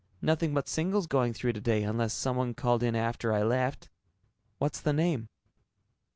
Nothing but singles going through today, unless somebody called in after I left. What's the name?"